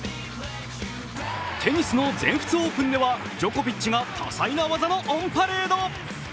テニスの全仏オープンではジョコビッチが多彩な技のオンパレード。